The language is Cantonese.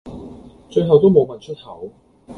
最後都無問出口